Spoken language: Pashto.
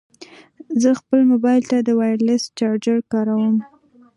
زه خپل مبایل ته د وایرلیس چارجر کاروم.